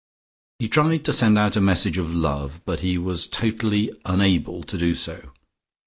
He tried to send out a message of love, but he was totally unable to do so.